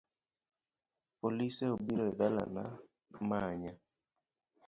Polise obiro e dalana manya